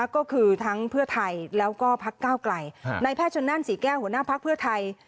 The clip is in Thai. ก็คือทั้งเพื่อไทยแล้วก็พักก้าวไกลในแพทย์ชนนั่นศรีแก้วหัวหน้าภักดิ์เพื่อไทย